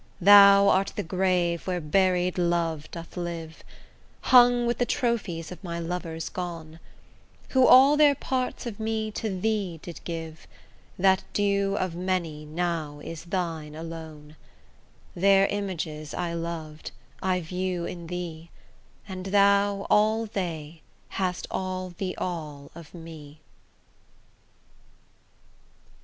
Thou art the grave where buried love doth live, Hung with the trophies of my lovers gone, Who all their parts of me to thee did give, That due of many now is thine alone: Their images I lov'd, I view in thee, And thou, all they, hast all the all of me.